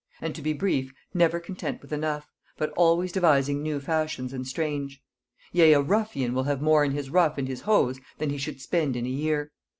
And to be brief, never content with enough, but always devising new fashions and strange. Yea a ruffian will have more in his ruff and his hose than he should spend in a year.